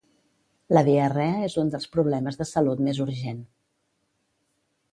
La diarrea és un dels problemes de salut més urgent.